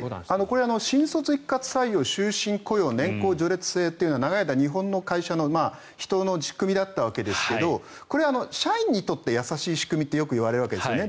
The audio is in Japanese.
これは新卒一括採用終身雇用制度年功序列制というのが人の仕組みだったわけですがこれは社員にとって優しい仕組みとよく言われるわけですね。